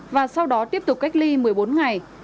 và sau đó tiếp tục cách ly một mươi bốn ngày